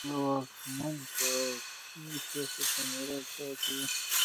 له واکمن پاړکي څخه په میراث پاتې وو.